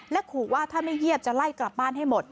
ขู่ว่าถ้าไม่เยี่ยมจะไล่กลับบ้านให้หมด